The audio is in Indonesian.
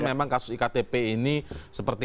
memang kasus iktp ini seperti